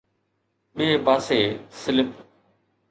ٻئي پاسي سلپ